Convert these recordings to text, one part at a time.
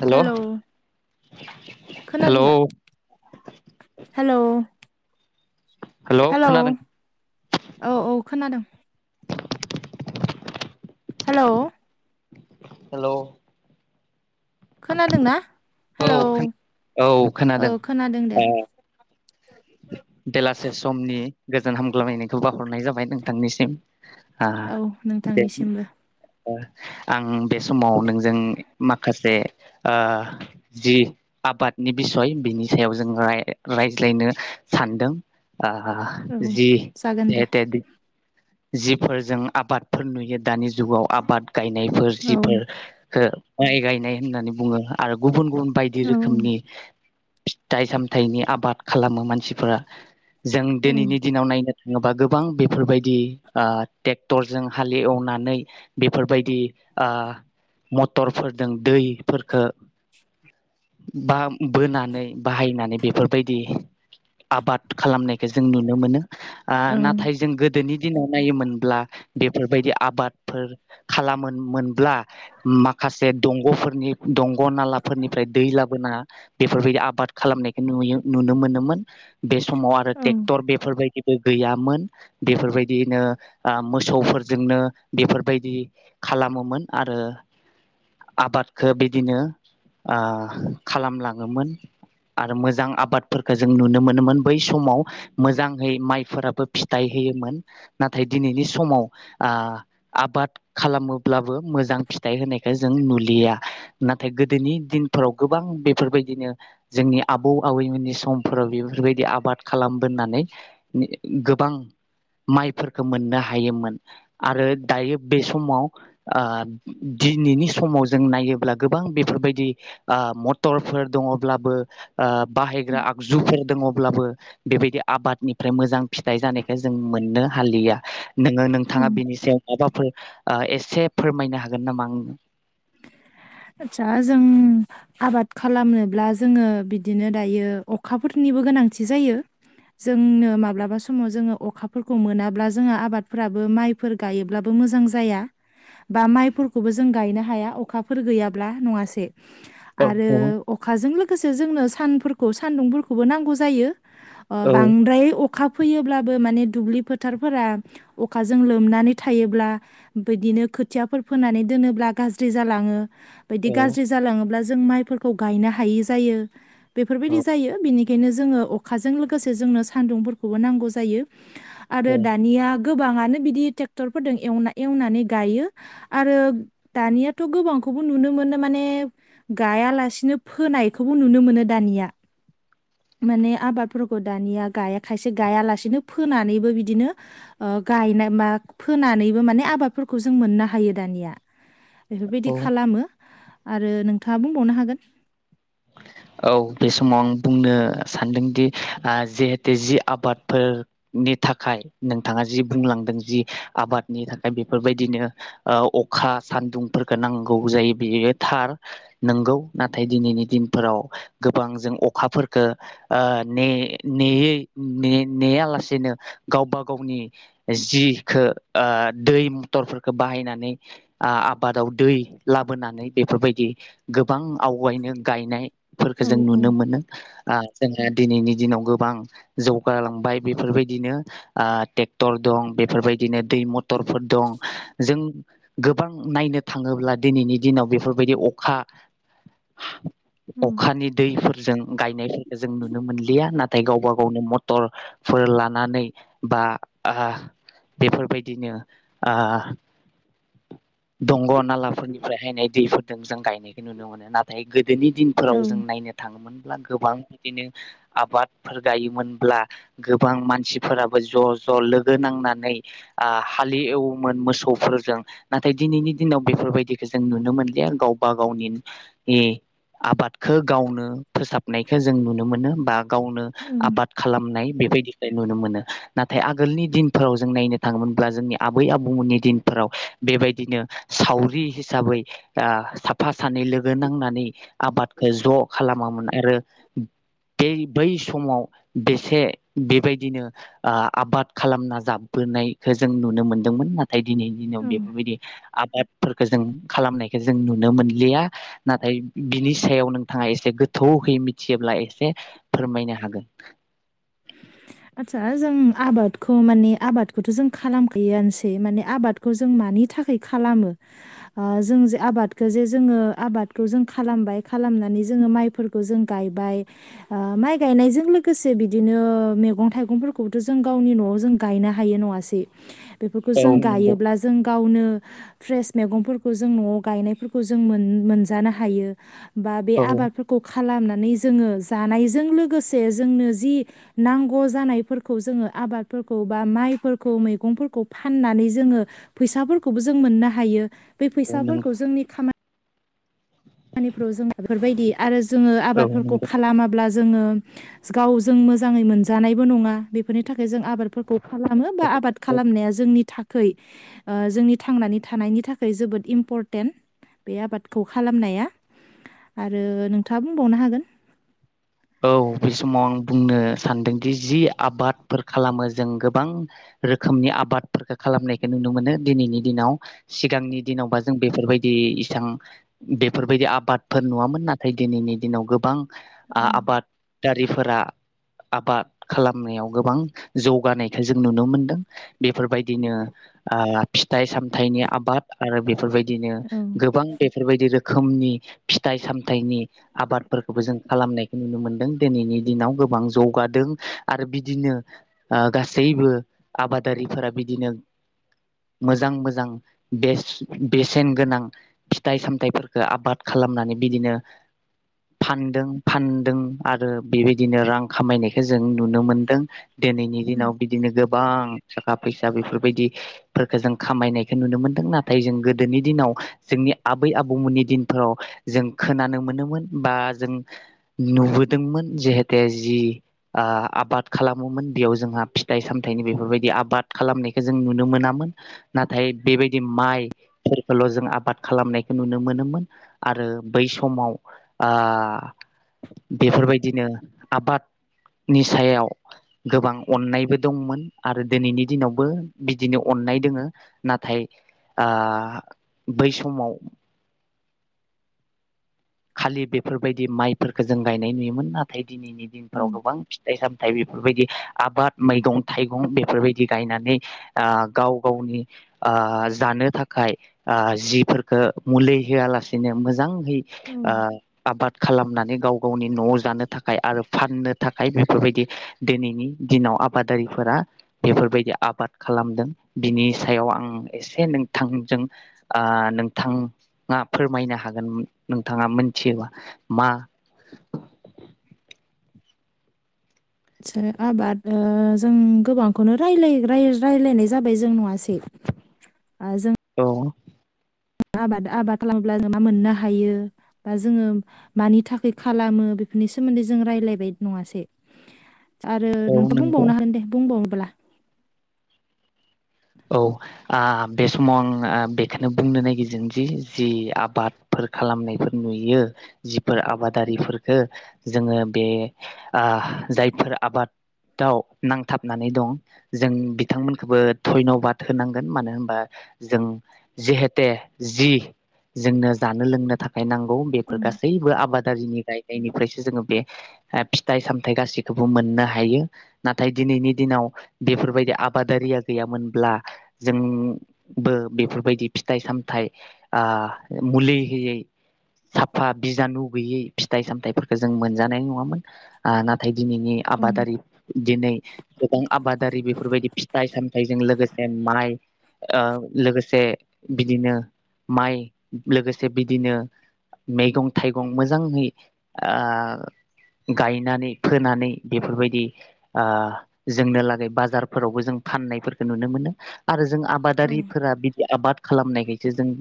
हेल' hello [inaudible] हेल' खोनादों दा hello hello hello खोनादों औ औ खोनादों हेलौ हेलौ खोनादोंना औ खोन- औ खोनादों खोनादों दे ओ बेलासे समनि गोजोन हामग्लायनायखौ बाहरनाय जाबाय नोंथांनिसिम औ नोंथांनिसिमबो ओ आं बे समाव नोंजों माखासे ओ जि आबादनि बिसय बिनि सायाव जों राय रायज्लायनो सानदों आ औ जि जागोन दे जिहेथेदि जिफोर जों आबादफोर नुयो दानि जुगाव आबाद गायनायफोर औ जिफोर खो माइ गायनाय होननानै बुङो आरो गुबुन गुबुन बायदि औ रोखोमनि फिथाइ सामथायाइनि आबाद खालामो। मानसिफोरा जों दिनैनि दिनाव नायनो ङोबा गोबां बेफोरबायदि आ टेक्टरजों हाले एवनानै बेफोरबायदि आ मटरफोरदों दै फोरखो बा बोनानै बाहायनानै बेफोरबायदि आबाद खालामनायखौ जों नुनो मोनो। आ औ नाथाय जों गोदोनि दिनाव नायोमोनब्ला बेफोरबायदि आबाद फोर खालामो मोन मोनब्ला माखासे दंग'फोरनि दंग' नालाफोरनिफ्राय दै लाब बोना बेफोरबायदि आबाद खालामनायखौ नुयो नुनो मोनोमोन। बे समाव आरो औ ट्रेक्टर बेफोरबायदि गैयामोन बेफोरबायदिनो ओ मोसौफोरजोंनो बेफोरबायदि खालामोमोन आरो आबादखौ बिदिनो ओ खालामलाङोमोन आरो मोजां आबादफोरखौ जों जों नुनो मोनोमोन बै समाव मोजांहै माइफोराबो फिथाइ होयोमोन नाथाय दिनैनि समाव ओ आबाद खालामोब्लाबो मोजां फिथाइ होनायखो जों नुलिया नाथाय गोदोनि दिनफोराव गोबां बेफोरबायदिनो जोंनि आबौ आबैमोननि सम फोराव बेफोरबायदि आबाद खालामबोनानै गोबां माइफोरखौ मोननो हायोमोन आरो दायो बे समाव ओ दिनैनि समाव जों नायोब्ला गोबां बेफोरबायदि ओ मथरफोर दङब्लाबो ओ बाहायग्रा जुफोर दङब्लाबो बेबायदि आबादनिफ्राय मोजां फिथाइ जानायखाय जों मोननो हालिया। नोङो नोंथाङा औ बिनि सायाव माबाफोर ओ एसे फोरमायनो हागोन नामा आंनो? आदसा जों आबाद खालामनोब्ला जोङो बिदिनो दायो अखाफोरनिबो गोनांथि जायो जोंनो माब्लाबा समाव जोङो अखाफोरखौ मोनाब्ला जोङो आबादफोराबो माइफोर गायोब्लाबो मोजां जाया बा माइफोरखौबो जों गायनो हाया अखा फोर गैयाब्ला नङासे औ आरो अखाजों लो लोगोसे जोंनो सानफोरखौ सान्दुंफोरखौबो नांगौ जायो ओ बांद्राय अ अखा फैयोब्लाबो माने दुब्लि फोथारफोरा अखाजों लोमनानै थायोब्ला बिदिनो खोथियाफोर फोनानै दोनोब्ला गाज्रि जालाङो बायदि औ गाज्रि जालाङोब्ला जों माइफोरखौ गायनो हायै जायो बेफोरबायदि औ जायो बिनि बेखायनो जोङो अखाजों लोगोसे जोंनो सान्दुंफोरखौबो नांगौ जायो आरो दानिया गोबाङानो बिदि ट्रेक्टरफोरजों एवना एवनानै गायो आरो दानियाथ' गोबांखौ खौबो नुनो मोनो माने गायालासेनो फोनायखौबो नुनो मोनो दानिया माने आबादफोरखौ दानिया गाया खायसे गायालासेनो फोनानैबो बिदिनो ओ गायनाय मा फोनानैबो माने आबादफोरखौ जों मोननो हायो दानिया औ एफोरबायदि आरो नोंथाङा बुंबावनो हागोन औ बे समाव आं बुंनो सानदोंदि ओ जिहेतु जि आबादफोरनि थाखाय नोंथाङा जि बुंलांदों जि आबादनि थाखाय बेफोरबायदिनो ओ अखा सान्दुंफोरखौ नांगौ जायो बेयो थार नंगौ नाथाय दिनैनि दिन फोराव गोबां जों अखाफोरफोरखौ ओ ने नेयै ने नेया लासेनो गावबा गावनि जिखो ओ दै मथरखो बाहायनानै ओ आबादाव दै लाबोनानै बेफोरबायदि गोबां आवगायनो गायनाय फोरखो औ जों औ नुनो मोनो आञजोंहा दिनैनि दिनाव गोबां जौगालांबाय बेफोरबायदिनो आ ट्रेक्टर दं बेफोरबायदिनो दै मथरफोर दं जों गोबां नायनो थाङोब्ला दिनैनि दिनाव बेफोरबायदि अखा हा अखानि दैफोर जों गायनायफोरखौ जों नुनो मोनलिया नाथाय गावबा गावनो मटरफोर लानानै बा बेफोरबायदिनो आ दंग' नालाफोरनिफ्राय हायनाय दैफोरजों जों गायनायखौ नुनो मोनो नाथाय गोदोनि दिन औ फोराव जों नायनो थाङोमोन गोबां बिदिनो आबादफोर गायोमोनब्ला गोबां मानसिफोराबो ज' ज' लोगो नांनानै ओ हालेवोमोन मोसौफोरजों नाथाय दिनैनि दिनाव बेफोरबायदिखौ जों नुनो मोनलिया गावबा गावनि आबादखौ गावनो फोसाबनायखो जों नुनो मोनो बा गावनो औ आबाद खालामनाय बेदिख नुनो मोनो नाथाय आगोलनि दिनफोराव जों नायनो थाङोमोनब्ला जोंनि आबै आबौमोननि दिनफोराव बेबायदिनो सावरि हिसाबै ओ साफा सानै लोगो नांनानै आबादखौ ज' खालामामोन आरो बे बै समाव बेसे बेबायदिनो ओ आबाद खालामना जाबबोनायखौ जों नुनो मोनदोंमोन नाथाय दिनैनि दिनाव औ बेफोरबायदि आबादफोरखौ जों खालामनायखौ जों नुनो मोनलिया नाथाय बिनि सायाव नोंथाङा एसे गोथौहै मिथियोब्ला एसे फोरमायनो हागोन आदचसा जों आबादखौ माने आबादखौथ' जों खालामखायोआनोसै माने आबादखौ जों मानि थाखाय खालामो ओ जों जे आबादखौ जे जोङो आबादखौ जों खालामबाय खालामनानै जोङो माइफोरखौ जों गायबाय ओ माइ गायनायजों लोगोसे बिदि बिदिनो मैगं थाइगंफोरखौबोथ' जों गावनि न'आव जों गायनो हायो नङासै बेफोरखौ औ जों नंगौ गायोब्ला जों गावनो फ्रेस मैगंफोरखौ जों न'आव गायनायफोरखौ जों मोनजानो हायो बा बे औ आबादफोरखौ खालामनानै नै जोङो जानायजों लोगोसे जोंनो जि नांगौ जानायफोरखौ जोङो आबादफोरखौ बा माइफोरखौ मैगंफोरखौ फाननानै जोङो फैसाफोरखौबो जों मोननो हायो बे औ नंगौ फैसाफोरखौ जोंनि खामानि खामानिफ्राव जोंहा बेफोरबायदि आरो जोङो औ आबादफोरखौ नंगौ खालामाब्ला जोङो गावजों मोजाङै मोनजानायबो नङा बेफोरनि थाखाय जों आबादफोरखौ खालामो बा आबाद औ खालामनाया जोंनि थाख खै ओ जोंनि थांनानै थानायनि थाखाय जोबोद इम्परटेन्ट बे आबादखौ खालामनाया आरो नोंथाङा बुंबावनो हागोन औ बे समाव आं बुंनो सानदोंदि जि आबादफोर खालामो जों गोबां रोखोमनि आबादफोरखौ खालामनायखौ नुनो मोनो दिनैनि दिनाव सिगांनि दिनावबा जों बेफोरबायदि इसां बेफोरबायदि आबाद आबादफोर नुआमोन ना नाथाय दिनैनि दिनाव गोबां आ औ आबाद दारिफोरा आबाद खालामनायाव गोबां जौगानायखौ जों नुनो मोनदों बेफोरबायदिनो ओ फिथाइ सामथाइनि आबाद आरो बेफोरबायदि बिदिनो औ गोबां बेफोरबायदि रोखोम खोमनि फिथाइ सामथाइनि आबादफोरखौबो जों खालामनायखौ नुनो मोनदों दिनैनि दिनाव गोबां जौगादों आरो बिदिनो ओ गासैबो आबादारिफोरा बिदिनो मोजां मोजां बे बेसेन गोनां फिथाइ सामथाइफोरफोरखौ आबाद खालामनानै बिदिनो फानदों । फानदों आरो बेबायदिनो रां खामायनाय औ [unintelligible] गोबां थाखा फैसा बेफोरबायदिफोरखौ जों खामायनायखौ नुनो मोनदों नाथाय जों गोदोनि दिनाव जोंनि आबै आबौमोननि दिनफोराव जों खोनानो मोनोमोन बा जों नुबोदोंमोन जिहेते जि आ आबाद खालामोमोन बेयाव जोंहा फिथाइ सामथायाइनि बेफोरबायदि आबाद खालामनायखौ जों नुनो मोनामोन नाथाय बेबायदि माइफोरखौल' जों आबाद खालामनायखौ नुनो मोनोमोन आरो बै समाव बेफोरबायदिनो आबादनि सायाव गोबां अननायबो दंमोन आरो दिनैनि दिनावबो बिदिनो अननाय दोङो नाथाय आ बै समाव खालि बेफोरबायदि माइफोरखौ जों गायनाय नुयो । मोन नाथाय दिनैनि दिनफोराव गोबां फिथाइ साम नाथाय बेफोरबायदि आबाद मैगं थाइगं बेफोरबायदि गायनानै ओ गाव गावनि ओ जानो थाखाय ओ जिफोरखो मुलि होआलासिनो मोजाङहै औ आ आबाद खालामनानै गाव गावनि न'आव जानो थाखाय आरो फाननो थाखाय बेफोरबायदि दिनैनि दिनाव आबादारिफोरा बेफोरबायदि आबाद खालामदों बिनि सायाव आं एसे नोंथांजों ओ नोंथाङा फोरमायनो हागोन । थाङा मोनथियोबा मा सो आबाद ओ जों गोबांखौनो रायलाय राय रायलायनाय जाबाय जों नङासै आ औ आबाद [inaudible] मा मोननो हायो बा जोङो मानि थाखाय खालामो बेफोरनि सोमोन्दै जों रायज्लायबाय नङासै? आरो औ नोंथ' नंगौ बुंबावनो हागोन दे बुंबाव ब्ला औ आ बे समाव आं आ बेखौनो बुंनो नागिरजोंजि जि आबादफोर खालामनायफोर नुयो जिफोर आबादारि फोरखो जोङो बे आ जायफोर आबादाव नांथाबनानै दं जों बिथांमोनखोबो धयन्बाद होनांगोन मानो होमबा जों जिहेते जि जोंनो जानो लोंनो थाख खाय नांगौ बेफोर गासैबो आबाद [unintelligible] गायनायनिफ्रायसो जोङो बे आ फिथाइ-सामथाय गासिखौबो मोननो हायो नाथाय दिनैनि दिनाव बेफोरबायदि आबादारिया गैयामोनब्ला जोंबो बेफोरबायदि फिथाइ सामथाय आ मुलि होयै साफा बिजानु गैयै फिथाइ सामथाय फोरखौ जों मोनजानाय नङामोन आ नाथाय दिनैनि आबादारि दिनै गोबां आबादारि बेफोरबायदि फिथाइ साम लोगोसे माइ ओ लोगोसे बिदिनो माइ लोगोसे बिदिनो मैगं थाइगं मोजांङै आ गायनानै फोनानै बेफोरबायदि आ जोंनो लागै बाजार फोरावबो जों फाननाय फोरखो नुनो मोनो । आरो जों आबादारिफोरा बिदि आबाद खालामनायखाय से जों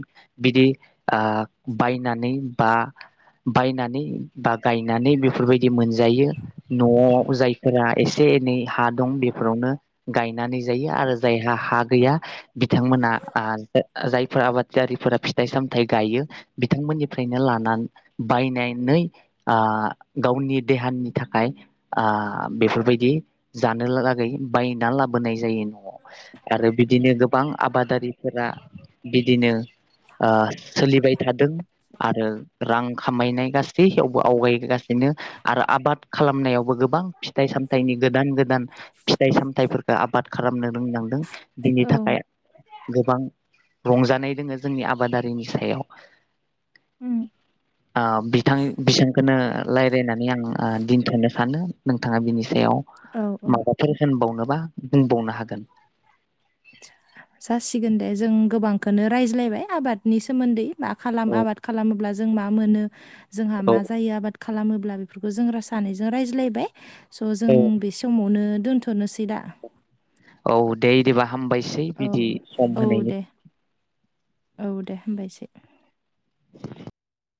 बिदि आ बायनानै बा बायनानै बा गायनानै बेफोरबायदि मोनजायो न'आव जायफोरा एसे एनै हा दं बेफोरावनो गायनानै जायो आरो जायहा हा गैया बिथांमोना आ जा जायफोर आबादजारिफोरा फिथाइ सामथाय गायो बिथांमोननिफ्रायनो लानान बायनानै आ गावनि देहानि थाखाय आ बेफोरबायदि जानो लागै बायना लाबोनाय जायो न'आव आरो बिदिनो गोबां आबादारिफोरा बिदिनो ओ सोलिबाय थादों आरो । रां खामायनाय गासैयावबो आवगायगासिनो आरो आबाद खालामनायावबो गोबां फिथाइ सामथाइनि गोदान गोदान फिथाइ सामथाइफोरखो आबाद खालामनो रोंलांदों बिनि औ थाखाय गोबां रंजानाय दोङो जोंनि आबादारिनि सायाव आ बिथां बिसांखोनो लायरायनानै आं आ दिनथ'नो सानो नोंथाङा बिनि सायाव औ औ माबाफोर होनबावनो बा बुंबावनो हागोन । जासिगोन दे जों गोबांखोनो रायज्लायबाय आबादनि सोमोन्दै। मा खालाम औ आबाद खालामोब्ला जों मा मोनो जोंहा मा औ जायो आबाद खालामोब्ला बेफोरखौ जों रा सानैजों रायज्लायबाय। स' जों औ बि समावनो दोन्थ'नोसै दा? औ दे इदिबा हामबायसै औ बिदि सम औ होनायनि दे औ दे हामबायसै।